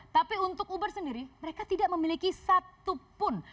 tapi untuk uber sendiri mereka tidak memiliki satu pun